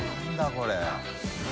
これ。